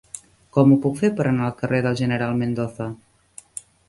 Com ho puc fer per anar al carrer del General Mendoza?